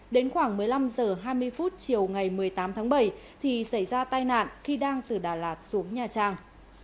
đến khoảng một mươi năm h hai mươi chiều ngày một mươi tám tháng bảy thì xảy ra tai nạn khi đang từ đà lạt xuống nhà trang